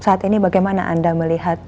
saat ini bagaimana anda melihat